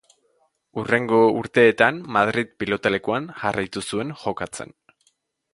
Hurrengo urteetan Madrid pilotalekuan jarraitu zuen jokatzen.